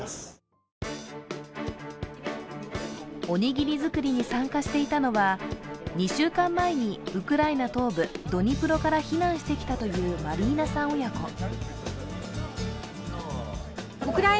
おにぎり作りに参加していたのは、２週間前にウクライナ東部ドニプロから避難してきたというマリーナさん親子。